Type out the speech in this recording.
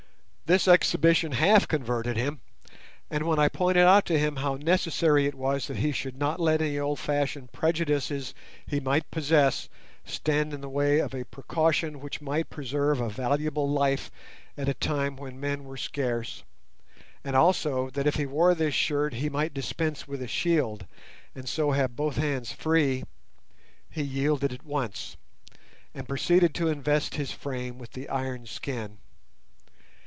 This exhibition half converted him; and when I pointed out to him how necessary it was that he should not let any old fashioned prejudices he might possess stand in the way of a precaution which might preserve a valuable life at a time when men were scarce, and also that if he wore this shirt he might dispense with a shield, and so have both hands free, he yielded at once, and proceeded to invest his frame with the "iron skin".